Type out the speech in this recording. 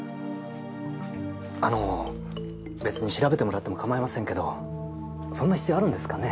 あの別に調べてもらっても構いませんけどそんな必要あるんですかね？